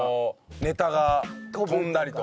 ネタが飛んだりとか。